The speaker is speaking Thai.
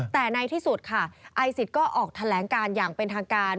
แต่ในที่สุดค่ะไอศิษย์ก็ออกแถลงการอย่างเป็นทางการ